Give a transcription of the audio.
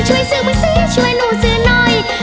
ช่วยซื้อบุษีช่วยหนูซื้อหน่อย